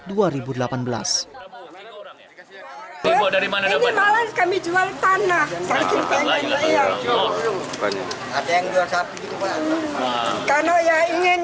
harapannya ya kami bisa diberangkatkan